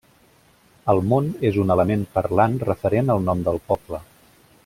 El món és un element parlant referent al nom del poble.